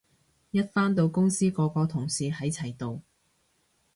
一返到公司個個同事喺齊度